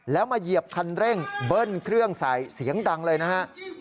แล้วมาเหยียบคันเร่งเบิ้ลเครื่องใส่เสียงดังเลยนะฮะ